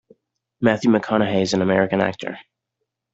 Matthew McConaughey is an American actor.